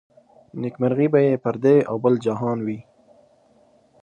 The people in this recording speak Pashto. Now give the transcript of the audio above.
نيکمرغي به يې پر دې او بل جهان وي